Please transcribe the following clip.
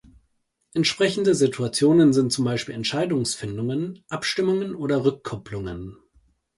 Entsprechende Situationen sind zum Beispiel Entscheidungsfindungen, Abstimmungen oder Rückkopplungen.